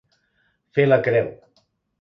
Fer la creu.